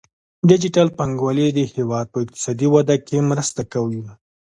ډیجیټل بانکوالي د هیواد په اقتصادي وده کې مرسته کوي.